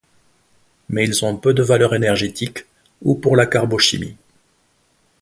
Mais ils ont peu de valeur énergétique ou pour la carbochimie.